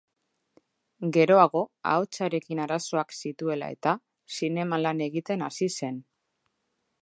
Geroago, ahotsarekin arazoak zituela eta, zineman lan egiten hasi zen.